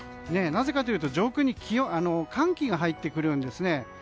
なぜかというと上空に寒気が入ってくるんですね。